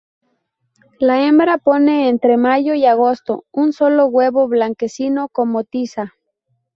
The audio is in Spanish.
La hembra pone, entre mayo y agosto, un solo huevo, blanquecino como tiza.